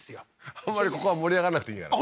あんまりここは盛り上がんなくていいんじゃない？